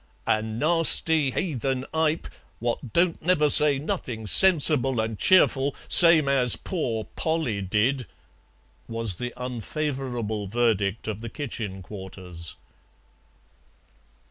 "A nasty heathen ipe what don't never say nothing sensible and cheerful, same as pore Polly did," was the unfavourable verdict of the kitchen quarters.